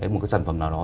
một cái sản phẩm nào đó